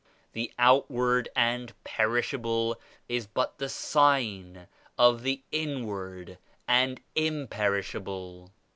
The out ward and perishable is but the sign of the in ward and imperishable.